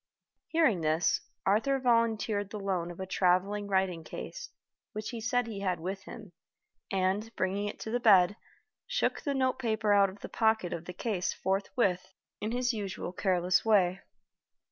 Hearing this, Arthur volunteered the loan of a traveling writing case, which he said he had with him, and, bringing it to the bed, shook the note paper out of the pocket of the case forthwith in his usual careless way.